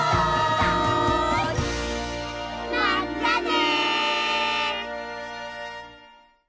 まったね！